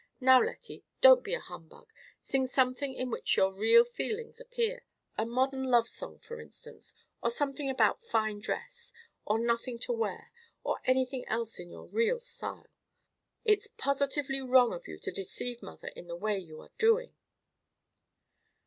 —Now, Lettie, don't be a humbug; sing something in which your real feelings appear—a modern love song, for instance, or something about fine dress, or nothing to wear, or anything else in your real style. It's positively wrong of you to deceive mother in the way you are doing."